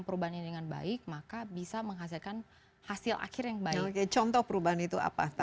perubahan ini dengan baik maka bisa menghasilkan hasil akhir yang baik contoh perubahan itu apa